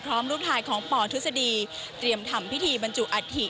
รูปถ่ายของปทฤษฎีเตรียมทำพิธีบรรจุอัฐิ